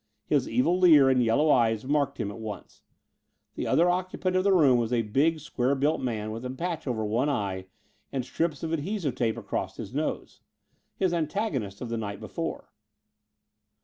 His evil leer and yellow eyes marked him at once. The other occupant of the room was a big square built man with a patch over one eye and strips of adhesive tape across his nose his antagonist of the night before.